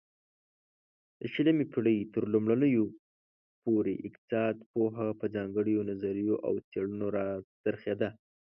د شلمې پيړۍ ترلومړيو پورې اقتصادي پوهه په ځانگړيو نظريو او څيړنو را څرخيده